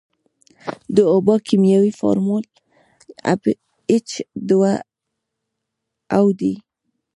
د اوبو کیمیاوي فارمول ایچ دوه او دی.